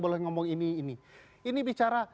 boleh ngomong ini ini bicara